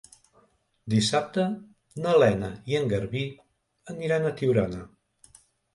Dissabte na Lena i en Garbí aniran a Tiurana.